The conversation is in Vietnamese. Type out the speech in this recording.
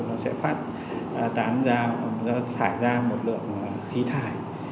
nó sẽ phát tán ra thải ra một lượng khí thải